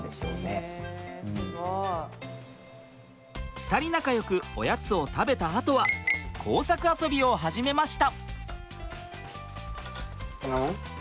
２人仲よくおやつを食べたあとは工作遊びを始めました。